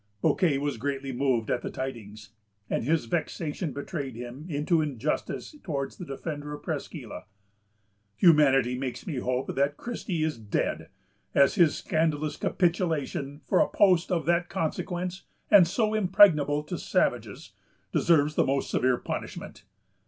Bouquet was greatly moved at the tidings, and his vexation betrayed him into injustice towards the defender of Presqu' Isle. "Humanity makes me hope that Christie is dead, as his scandalous capitulation, for a post of that consequence and so impregnable to savages, deserves the most severe punishment."